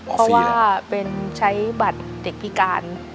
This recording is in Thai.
เพราะว่าเป็นใช้บัตรเด็กพิการ